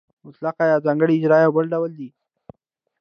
مطلقه یا ځانګړې اجاره یو بل ډول دی